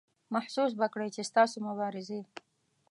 محسوس به کړئ چې ستاسو مبارزې.